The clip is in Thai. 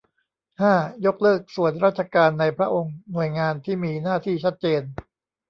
ห้า ยกเลิกส่วนราชการในพระองค์ หน่วยงานที่มีหน้าที่ชัดเจน